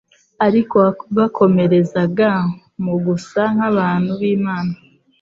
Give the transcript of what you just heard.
Ariko wabakomerezaga mu gusa nk'abantu b'Imana,